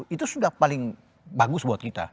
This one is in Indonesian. satu dua satu itu sudah paling bagus buat kita